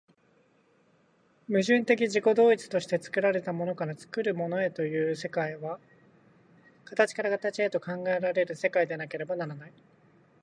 矛盾的自己同一として作られたものから作るものへという世界は、形から形へと考えられる世界でなければならない。